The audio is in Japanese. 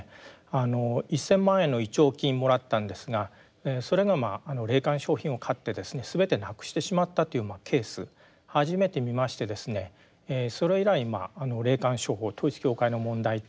あの１，０００万円の弔慰金もらったんですがそれが霊感商品を買ってですね全てなくしてしまったというケース初めて見ましてですねそれ以来霊感商法統一教会の問題というのはやっております。